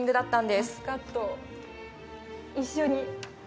マスカット、一緒に。